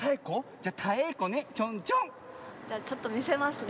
じゃあちょっとみせますね。